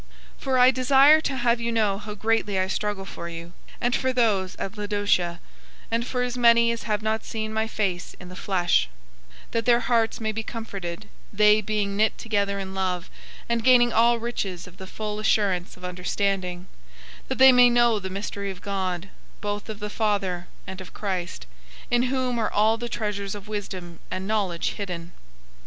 002:001 For I desire to have you know how greatly I struggle for you, and for those at Laodicea, and for as many as have not seen my face in the flesh; 002:002 that their hearts may be comforted, they being knit together in love, and gaining all riches of the full assurance of understanding, that they may know the mystery of God, both of the Father and of Christ, 002:003 in whom are all the treasures of wisdom and knowledge hidden.